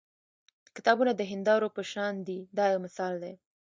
کتابونه د هیندارو په شان دي دا یو مثال دی.